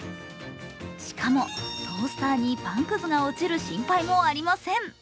しかもトースターにパンくずが落ちる心配もありません。